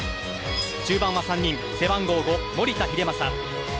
中盤は３人背番号５・守田英正